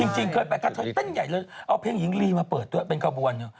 จริงเคยไปกะเท่าตั้งใหญ่เอาเพลงหญิงลี่มาเปิดด้วยเป็นเข้าบวร